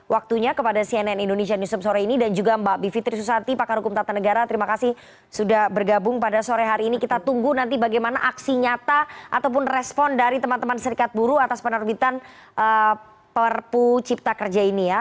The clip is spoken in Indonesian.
waktunya kepada cnn indonesia newsroom sore ini dan juga mbak bivitri susati pakar hukum tata negara terima kasih sudah bergabung pada sore hari ini kita tunggu nanti bagaimana aksi nyata ataupun respon dari teman teman serikat buruh atas penerbitan perpu cipta kerja ini ya